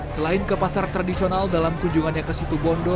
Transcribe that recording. selain ke pasar tradisional dalam kunjungannya ke situ bondo